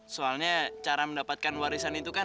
soalnya cara mendapatkan warisan itu kan